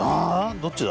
どっちだ？